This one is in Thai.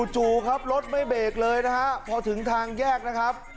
จู่ครับรถไม่เบรกเลยนะฮะพอถึงทางแยกนะครับ